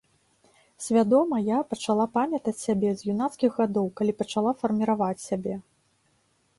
Свядома я пачала памятаць сябе з юнацкіх гадоў, калі пачала фарміраваць сябе.